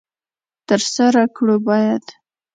تر سره کړو باید.